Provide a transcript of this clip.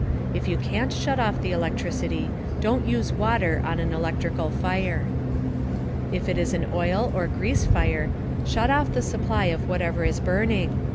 If you can't shut off the electricity, don't use water on an electrical fire. If it is an oil or grease fire, shut off the supply of whatever is burning.